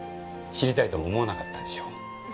知りたいとも思わなかったでしょう？